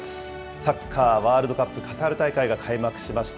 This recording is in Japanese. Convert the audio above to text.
サッカーワールドカップカタール大会が開幕しました。